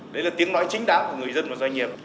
đấy là tiếng nói chính đáng của người dân và doanh nghiệp